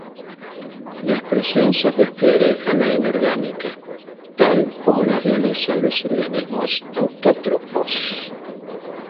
La expresión se refiere a la inorgánica", tal como la realizan los organismos autótrofos.